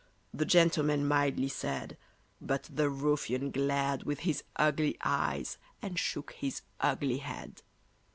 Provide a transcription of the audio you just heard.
The gentleman mildly said; But the ruffian glared with his ugly eyes, And shook his ugly head.